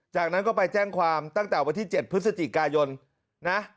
จากนั้นก็ไปแจ้งความตั้งแต่วันที่๗พฤศจิกายนนะ